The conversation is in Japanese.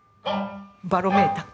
バロメーター。